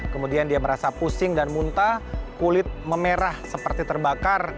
kemudian dia merasa pusing dan muntah kulit memerah seperti terbakar